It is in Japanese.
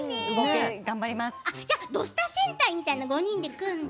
「土スタ」戦隊みたいなの、５人で組んで。